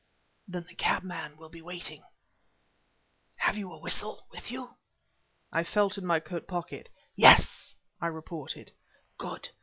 "Then the cabman will be waiting." "Have you a whistle with you?" I felt in my coat pocket. "Yes," I reported. "Good!